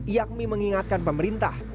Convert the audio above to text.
iakmi mengingatkan pemerintah